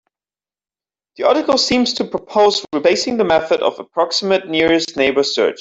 The article seems to propose replacing the method of approximate nearest neighbor search.